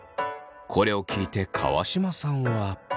これを聞いて川島さんは。